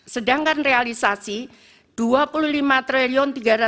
sedangkan realisasi dua puluh lima tiga ratus empat puluh rupiah atau tiga puluh tiga enam puluh satu